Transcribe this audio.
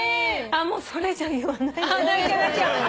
もうそれ以上言わないで。